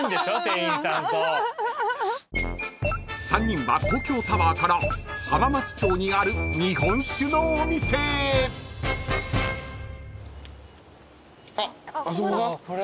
［３人は東京タワーから浜松町にある日本酒のお店へ］あっあそこか？